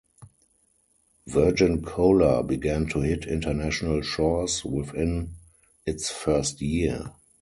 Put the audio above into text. Virgin Cola began to hit international shores within its first year.